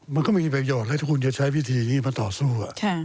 มันก็ไม่มีประโยชน์ให้ทุกคนจะใช้วิธีนี้มาต่อสู้